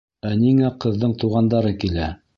Ә ниңә ҡыҙҙың туғандары килә?